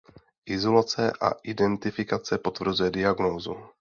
Izolace a identifikace potvrzuje diagnózu.